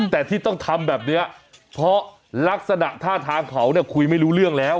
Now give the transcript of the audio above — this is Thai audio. แต่ที่ต้องทำแบบนี้เพราะลักษณะท่าทางเขาเนี่ยคุยไม่รู้เรื่องแล้ว